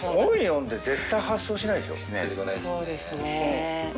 そうですね。